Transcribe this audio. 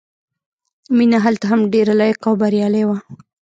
مینه هلته هم ډېره لایقه او بریالۍ وه